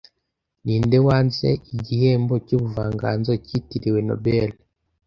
Ninde wanze igihembo cyubuvanganzo cyitiriwe Nobel